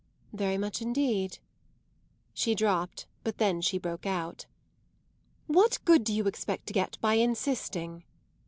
"Very much indeed." She dropped, but then she broke out. "What good do you expect to get by insisting?"